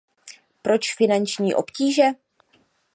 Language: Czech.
Proč finanční obtíže?